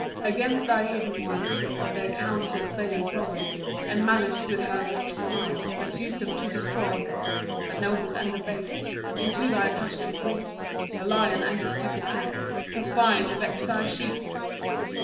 3 Against thy hidden ones Their counsels they employ, And malice with her watchful eye, Pursues them to destroy. 4 The noble and the base Into thy pastures leap; The lion and the stupid ass Conspire to vex thy sheep.